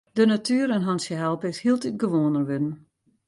De natuer in hantsje helpe is hieltyd gewoaner wurden.